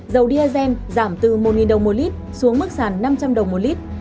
dầu diesel giảm từ một đồng một lít xuống mức sàn năm trăm linh đồng một lít